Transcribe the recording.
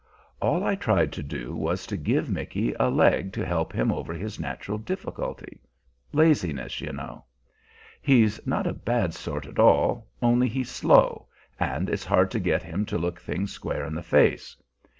All I tried to do was to give Micky a leg to help him over his natural difficulty laziness, you know. He's not a bad sort at all, only he's slow, and it's hard to get him to look things square in the face.